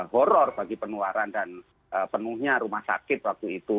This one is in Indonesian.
horror bagi penularan dan penuhnya rumah sakit waktu itu